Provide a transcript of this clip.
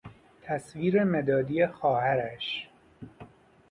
تصویر مدادی خواهرش